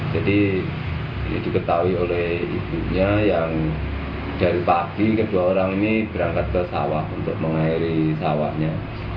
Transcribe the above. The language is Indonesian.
diketahui oleh ibunya yang dari pagi kedua orang ini berangkat ke sawah untuk mengairi sawahnya